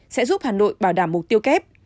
sẽ giúp hà nội bảo đảm mục tiêu kép